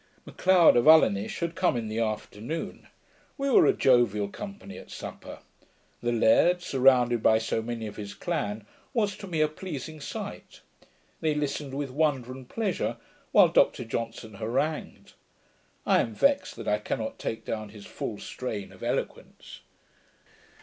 M'Leod of Ulinish had come in the afternoon. We were a jovial company at supper. The laird, surrounded by so many of his clan, was to me a pleasing sight. They listened with wonder and pleasure, while Dr Johnson harangued. I am vexed that I cannot take down his full train of eloquence.